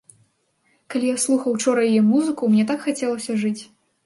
Калі я слухаў учора яе музыку, мне так хацелася жыць!